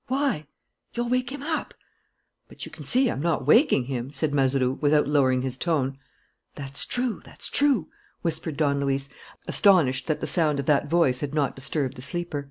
"Why?" "You'll wake him up." "But you can see I'm not waking him," said Mazeroux, without lowering his tone. "That's true, that's true," whispered Don Luis, astonished that the sound of that voice had not disturbed the sleeper.